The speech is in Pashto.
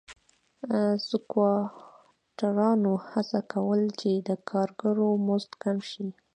سکواټورانو هڅه کوله چې د کارګرو مزد کم شي.